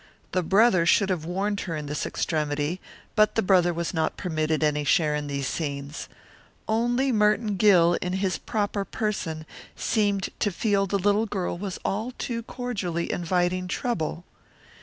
The brother should have warned her in this extremity; but the brother was not permitted any share in these scenes. Only Merton Gill, in his proper person, seemed to feel the little girl was all too cordially inviting trouble.